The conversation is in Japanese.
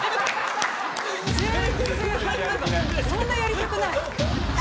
そんなやりたくない⁉